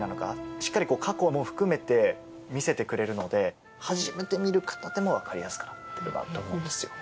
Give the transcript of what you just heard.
しっかり過去も含めて見せてくれるので初めて見る方でも分かりやすくなってるなと思うんですよね。